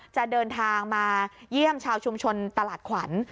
จะเดินทางมาเยี่ยมชาวชุมชนตลาดขวัญ